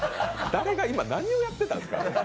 誰が今、何をやってたんですか？